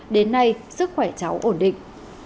đến nay sức khỏe cháu ổn định